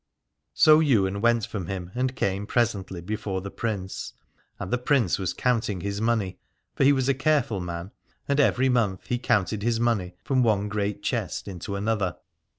So Ywain went from him and came pres ently before the Prince ; and the Prince was counting his money : for he was a careful man, and every month he counted his money from one great chest into another.